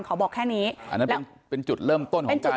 ขอบอกแค่นี้อันนั้นเป็นจุดเริ่มต้นของการแนกทาง